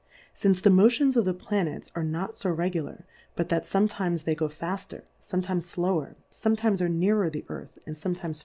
Since the Motions of the Planets are not fo regular, but that fometimes they go falter, ibmetimes flower, fometimes are nearer the Earth, and fometimes farther Plurality ^/WORLDS.